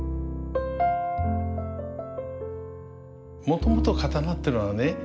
もともと刀ってのはね